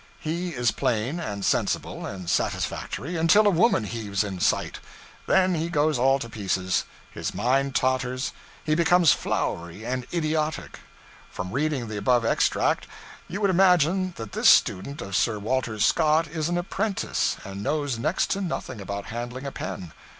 He is plain, and sensible, and satisfactory, until a woman heaves in sight. Then he goes all to pieces; his mind totters, he becomes flowery and idiotic. From reading the above extract, you would imagine that this student of Sir Walter Scott is an apprentice, and knows next to nothing about handling a pen.